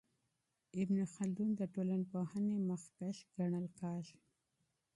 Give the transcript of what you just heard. ابن خلدون د ټولنپوهنې مخکښ ګڼل کیږي.